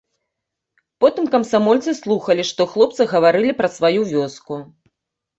Потым камсамольцы слухалі, што хлопцы гаварылі пра сваю вёску.